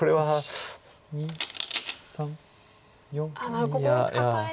なるほどここをカカえて。